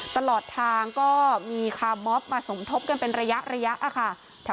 ตลอดทางก็มีคาร์มอบมาสมทบกันเป็นระยะค่ะ